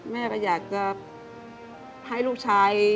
แม่ก็อยากจะให้ลูกชาย